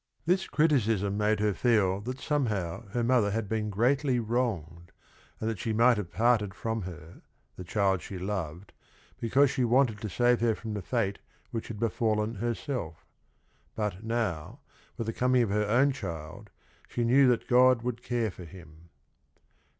This c riticism made her feel that somehow her mother had been greatly wronged, and that she might have parted from her — the child she loved — because she wanted to save her from the fate which had be fallen herself. But now, with the coming of her own child, she knew that God would care for him.